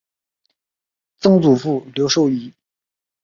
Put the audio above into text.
曾祖父刘寿一。